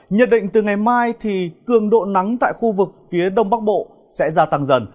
nhận định từ ngày mai thì cường độ nắng tại khu vực phía đông bắc bộ sẽ gia tăng dần